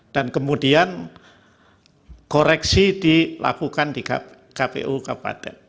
dan kemudian koreksi dilakukan di kpu kpad